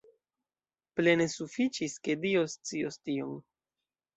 Plene sufiĉis, ke Dio scios tion.